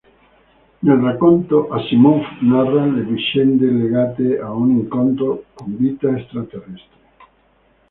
Nel racconto Asimov narra le vicende legate a un incontro con vita extraterrestre.